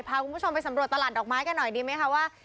พาคุณผู้ชมไปสำรวจตลาดดอกไม้กันหน่อยดีไหมคะว่า